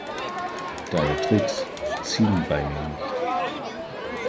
Deine Tricks ziehen bei mir nicht.